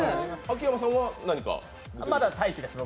秋山さんは何か？